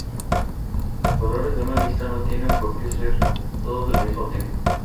Los valores de una lista no tienen porque ser todos del mismo tipo.